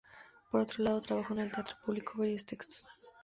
Por otro lado, trabajó en el teatro y publicó varios textos.